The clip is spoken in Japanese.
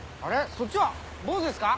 そっちはボウズですか？